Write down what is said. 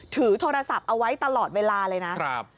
ถือโทรศัพท์เอาไว้ตลอดเวลาเลยนะ